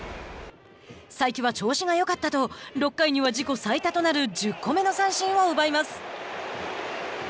才木は調子がよかったと６回には自己最多となる１０個目の三振を奪います。